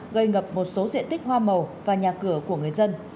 gây ngập một số diện tích hoa màu và nhà cửa của người dân